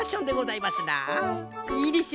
いいでしょ？